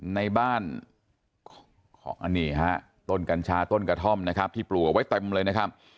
ในบ้านของอันนี้ฮะต้นกัญชาต้นกระท่อมนะครับที่ปลูกเอาไว้เต็มเลยนะครับ